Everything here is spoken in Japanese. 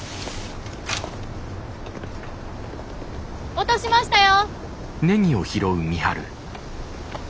落としましたよ！